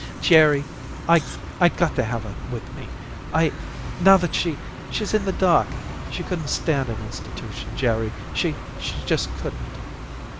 "Jerry, I I gotta have her with me. I Now that she she's in the dark. She couldn't stand an institution, Jerry, she she just couldn't."